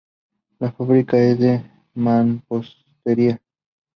La fábrica es de mampostería.